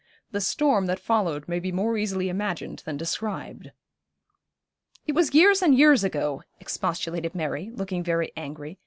The storm that followed may be more easily imagined than described.' 'It was years and years ago,' expostulated Mary, looking very angry.